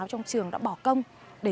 tô tê tê tê tê